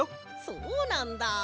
そうなんだ。